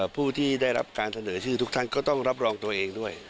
ผู้ที่ได้รับการเสนอชื่อทุกท่านก็ต้องรับรองตัวเองด้วย